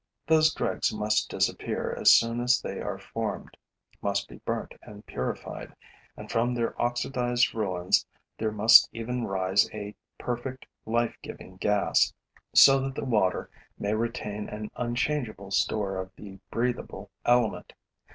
Those dregs must disappear as soon as they are formed, must be burnt and purified; and from their oxidized ruins there must even rise a perfect life giving gas, so that the water may retain an unchangeable store of the breathable element.